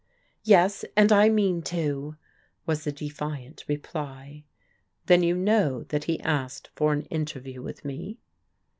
" Yes, and I mean to," was the defiant reply. " Then you know that he asked for an interview with me?"